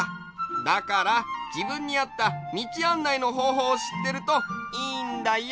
だからじぶんにあったみちあんないのほうほうをしってるといいんだよ。